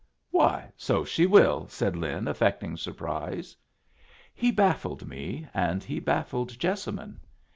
"Why, so she will!" said Lin, affecting surprise. He baffled me, and he baffled Jessamine.